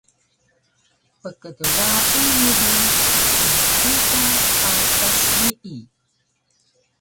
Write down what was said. pkdwaun mu bi smku ka patas nii